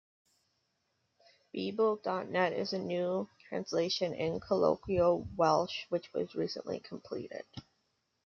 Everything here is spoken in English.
Beibl dot net is a new translation in colloquial Welsh which was recently completed.